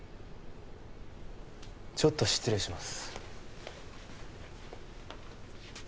ちょっと失礼します